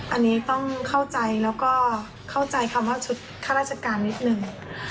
อันนี้ต้องเข้าใจแล้วก็เข้าใจคำว่าชุดข้าราชการนิดหนึ่ง